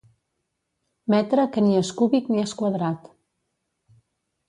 Metre que ni és cúbic ni és quadrat.